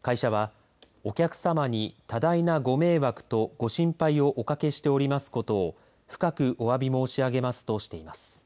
会社はお客様に多大なご迷惑とご心配をおかけしておりますことをふかくおわび申し上げますとしています。